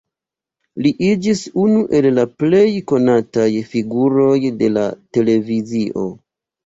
Li iĝis unu el la plej konataj figuroj de la televizio.